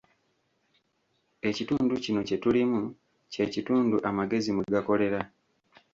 Ekitundu kino kye tulimu, kye kitundu amagezi mwe gakolera.